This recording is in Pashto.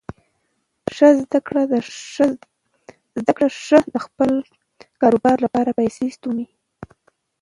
زده کړه ښځه د خپل کاروبار لپاره پیسې سپموي.